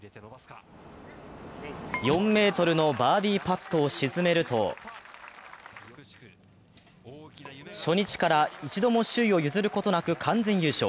４ｍのバーディーパットを沈めると初日から一度も首位を譲ることなく完全優勝。